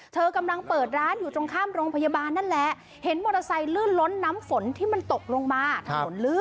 กำลังเปิดร้านอยู่ตรงข้ามโรงพยาบาลนั่นแหละเห็นมอเตอร์ไซค์ลื่นล้นน้ำฝนที่มันตกลงมาถนนลื่น